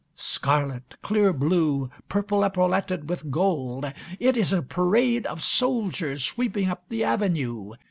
Scarlet, clear blue, purple epauletted with gold. It is a parade of soldiers sweeping up the avenue.